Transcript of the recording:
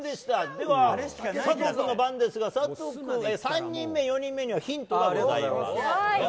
では、佐藤君の番ですが３人目、４人目にはヒントがございます。